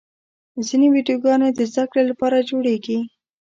ځینې ویډیوګانې د زدهکړې لپاره جوړېږي.